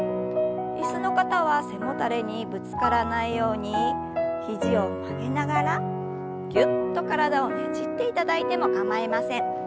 椅子の方は背もたれにぶつからないように肘を曲げながらぎゅっと体をねじっていただいても構いません。